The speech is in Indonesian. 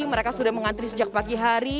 mereka sudah mengantri sejak pagi hari